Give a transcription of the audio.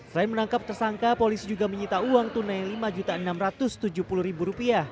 selain menangkap tersangka polisi juga menyita uang tunai rp lima enam ratus tujuh puluh